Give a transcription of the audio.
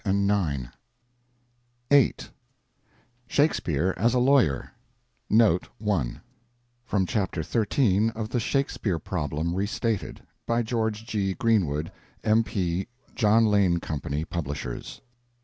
VIII SHAKESPEARE AS A LAWYER From Chapter XIII of The Shakespeare Problem Restated. By George G. Greenwood, M.P. John Lane Company, publishers.